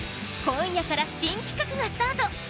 今夜から新企画がスタート。